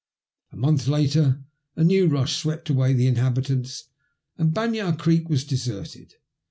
A month later a new rush swept away the inhabitants, and Banyah Greek was deserted.